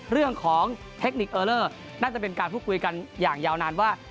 เรื่องของเทคนิคเออเลอร์น่าจะเป็นการพูดคุยกันอย่างยาวนานว่า